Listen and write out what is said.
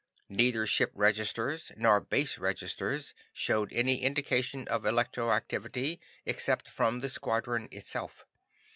Neither ship registers nor base registers showed any indication of electroactivity except from the squadron itself.